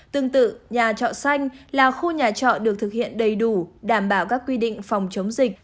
tương tự nhà trọ xanh là khu nhà trọ được thực hiện đầy đủ đảm bảo các quy định phòng chống dịch